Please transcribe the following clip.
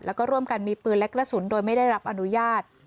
แล้วก็ร่วมกันมีปืนและกระสุนโดยไม่ได้รับอนุญาต